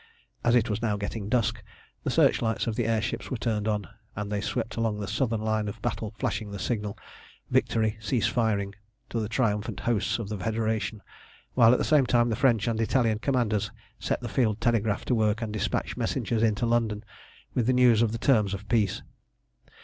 As it was now getting dusk the searchlights of the air ships were turned on, and they swept along the southern line of battle flashing the signal, "Victory! Cease firing!" to the triumphant hosts of the Federation, while at the same time the French and Italian commanders set the field telegraph to work and despatched messengers into London with the news of the terms of peace.